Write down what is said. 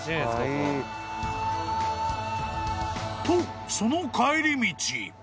［とその帰り道］